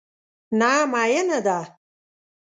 نه مینه ده،